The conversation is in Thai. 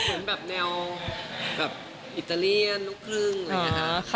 เหมือนแบบแนวแบบอิตาเลียนลูกครึ่งอะไรอย่างนี้ค่ะ